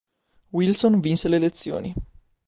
Wilson vinse le elezioni.